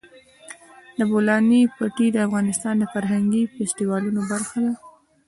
د بولان پټي د افغانستان د فرهنګي فستیوالونو برخه ده.